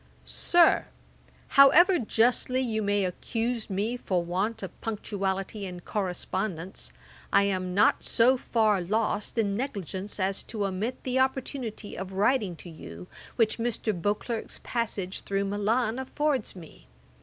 'SIR, 'However justly you may accuse me for want of punctuality in correspondence, I am not so far lost in negligence as to omit the opportunity of writing to you, which Mr. Beauclerk's passage through Milan affords me.